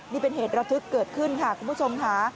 นี่เป็นเหตุระทึกเกิดขึ้นค่ะคุณผู้ชมค่ะ